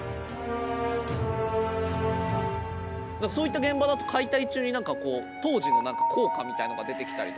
そういった現場だと解体中になんかこう当時の硬貨みたいのが出てきたりとか。